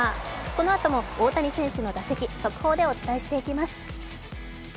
このあとも大谷選手の打席速報でお伝えしていきます。